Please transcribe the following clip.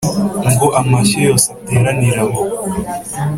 ngo amashyo yose ateranire aho